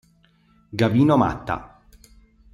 Gavino Matta